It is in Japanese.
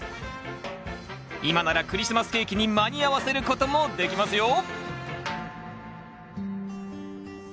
今ならクリスマスケーキに間に合わせることもできますよ